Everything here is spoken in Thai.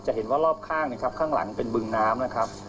เห็นว่ารอบข้างนะครับข้างหลังเป็นบึงน้ำนะครับ